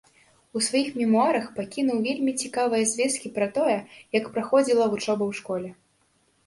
У сваіх мемуарах пакінуў вельмі цікавыя звесткі пра тое, як праходзіла вучоба ў школе.